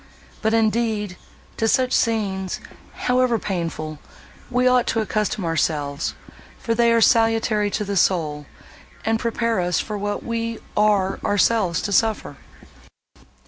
But, indeed, to such scenes, however painful, we ought to accustom ourselves, for they are salutary to the soul, and prepare us for what we are ourselves to suffer."